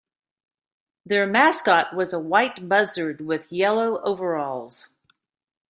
Their mascot was a white buzzard with yellow overalls.